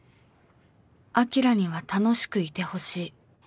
「晶には楽しくいてほしい」